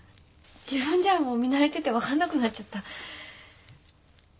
自分じゃもう見慣れてて分かんなくなっちゃった。